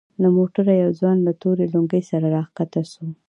له موټره يو ځوان له تورې لونگۍ سره راکښته سو.